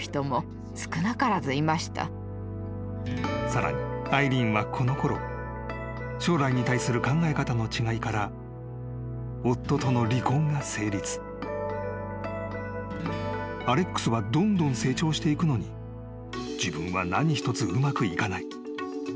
［さらにアイリーンはこのころ将来に対する考え方の違いから夫との］［アレックスはどんどん成長していくのに自分は何一つうまくいかない］